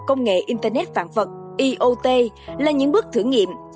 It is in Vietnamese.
công nghệ internet vạn vật là những bước thử nghiệm